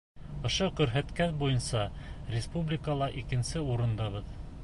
Ошо күрһәткес буйынса республикала икенсе урындабыҙ.